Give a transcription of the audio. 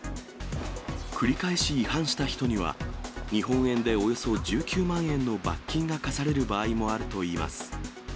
繰り返し違反した人には、日本円でおよそ１９万円の罰金が科される場合もあるといいます。